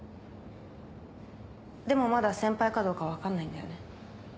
でもまだ先輩かどうか分かんないんだよね？